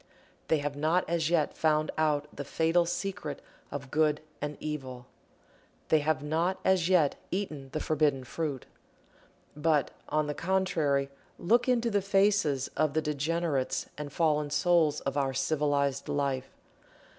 They have not as yet found out the fatal secret of Good and Evil they have not as yet eaten the forbidden fruit. But, on the contrary, look into the faces of the degenerates and fallen souls of our civilized life.